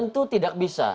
tentu tidak bisa